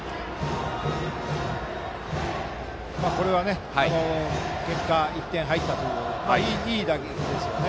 これは結果１点入ったといういい打撃でしたね。